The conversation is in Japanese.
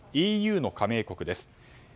ＥＵの加盟国です。